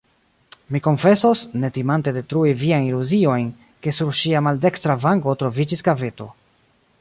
Mi konfesos, ne timante detrui viajn iluziojn, ke sur ŝia maldekstra vango troviĝis kaveto.